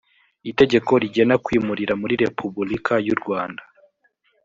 itegeko rigena kwimurira muri repubulika y u rwanda